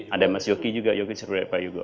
ada mas yoki juga yoki surure payugo